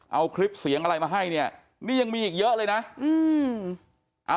เอาคลิปเสียงอะไรมาให้เนี่ยนี่ยังมีอีกเยอะเลยนะอืม